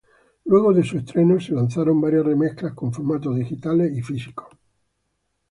Luego de su estreno, se lanzaron varias remezclas en formatos digitales y físicos.